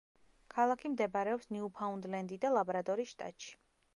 ქალაქი მდებარეობს ნიუფაუნდლენდი და ლაბრადორის შტატში.